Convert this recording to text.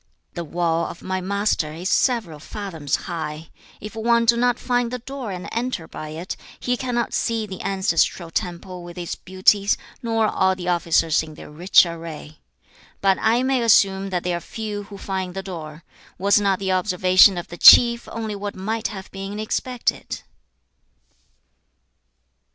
3. 'The wall of my Master is several fathoms high. If one do not find the door and enter by it, he cannot see the ancestral temple with its beauties, nor all the officers in their rich array. 4. 'But I may assume that they are few who find the door. Was not the observation of the chief only what might have been expected?'